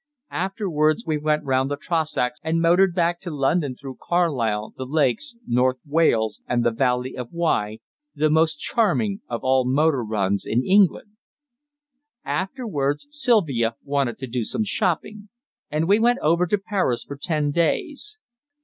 Afterwards we went round the Trossachs and motored back to London through Carlisle, the Lakes, North Wales and the Valley of the Wye, the most charming of all motor runs in England. Afterwards, Sylvia wanted to do some shopping, and we went over to Paris for ten days.